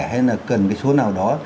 hay là cần cái số nào đó